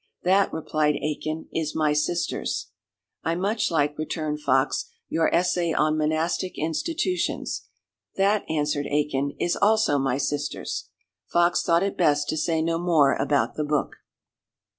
'" "That," replied Aikin, "is my sister's." "I much like," returned Fox, "your essay on Monastic Institutions." "That" answered Aikin, "is also my sister's." Fox thought it best to say no more about the book.